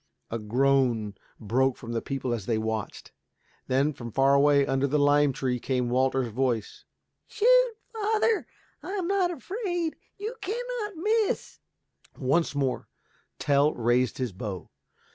A groan broke from the people as they watched. Then from far away under the lime tree came Walter's voice, "Shoot, father, I am not afraid. You cannot miss." Once more Tell raised his bow.